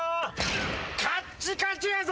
カッチカチやぞ！